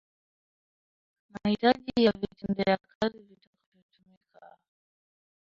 Mahitaji ya Vitendea kazi vitakavyotumika